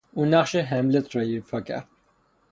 او نقش هملت را ایفا کرد.